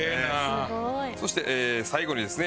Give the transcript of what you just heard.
そして最後にですね